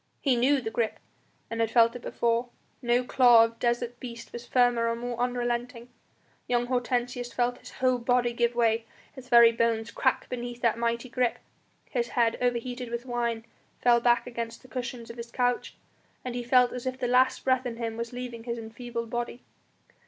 He knew the grip and had felt it before; no claw of desert beast was firmer or more unrelenting. Young Hortensius felt his whole body give way, his very bones crack beneath that mighty grip. His head, overheated with wine, fell back against the cushions of his couch, and he felt as if the last breath in him was leaving his enfeebled body.